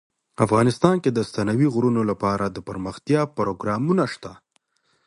افغانستان کې د ستوني غرونه لپاره دپرمختیا پروګرامونه شته.